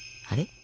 あれ？